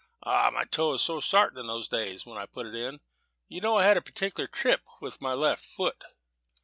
Ah, my toe was so sartin in those days, when I put it in! You know I had a particular trip with my left foot."